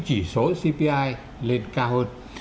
chỉ số cpi lên cao hơn